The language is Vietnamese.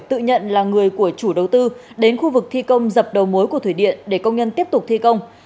tự nhận là người của chủ đầu tư đến khu vực thi công dập đầu mối của thủy điện để công nhân tiếp tục thi công